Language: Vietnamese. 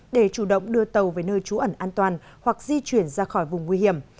để chủ động đưa tàu về nơi trú ẩn an toàn hoặc di chuyển ra khỏi vùng nguy hiểm